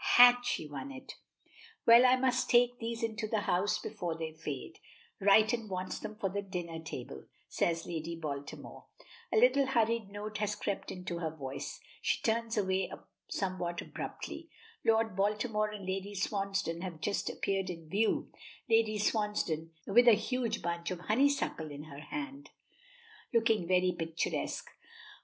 Had she won it? "Well, I must take these into the house before they fade. Righton wants them for the dinner table," says Lady Baltimore. A little hurried note has crept into her voice. She turns away somewhat abruptly. Lord Baltimore and Lady Swansdown have just appeared in view, Lady Swansdown with a huge bunch of honeysuckle in her hand, looking very picturesque.